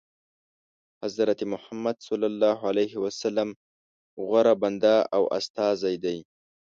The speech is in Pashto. حضرت محمد صلی الله علیه وسلم غوره بنده او استازی دی.